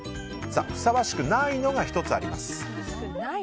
ふさわしくないのが１つあります。